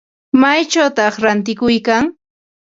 ¿Maychawta ratikuykan?